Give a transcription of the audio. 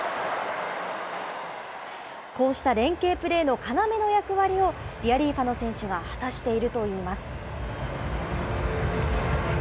こうした連係プレーの要の役割を、リアリーファノ選手が果たしているといいます。